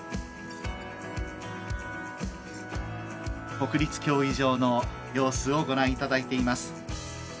国立競技場の様子をご覧いただいております。